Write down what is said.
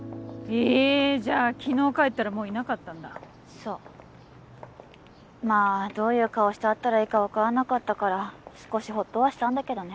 ええじゃあ昨日帰ったらもういなかったんだそうまあどういう顔して会ったらいいか分からなかったから少しホッとはしたんだけどね